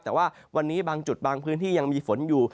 แต่ว่าวันนี้บางจุดบางพื้นที่ยังมีฝนอยู่